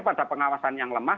pada pengawasan yang lemah